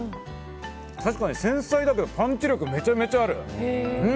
確かに繊細だけどパンチ力、めちゃめちゃある。